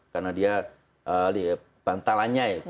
karena dia bantalanya ya